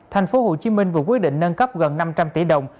thành phố hồ chí minh vừa quyết định nâng cấp gần năm trăm linh tỷ đồng